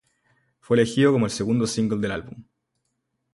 Fue elegido como el segundo single del álbum.